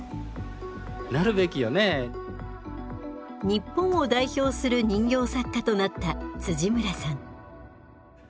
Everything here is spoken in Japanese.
日本を代表する人形作家となった村さん。